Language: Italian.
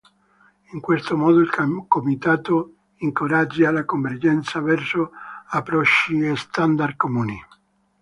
In questo modo il Comitato incoraggia la convergenza verso approcci e standard comuni.